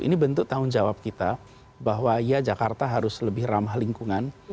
ini bentuk tanggung jawab kita bahwa ya jakarta harus lebih ramah lingkungan